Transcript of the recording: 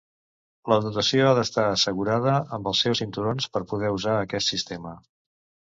La dotació ha d'estar assegurada amb els seus cinturons per poder usar aquest sistema.